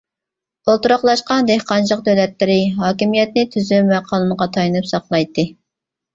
ئولتۇراقلاشقان دېھقانچىلىق دۆلەتلىرى ھاكىمىيەتنى تۈزۈم ۋە قانۇنغا تايىنىپ ساقلايتتى.